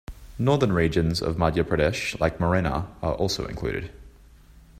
Northern regions of Madhya Pradesh like Morena are also included.